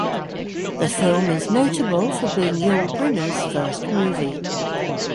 The film is notable for being Yul Brynner's first movie.